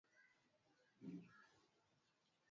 kwa sababu ni biashara kubwa inayoingiza pesa nyingi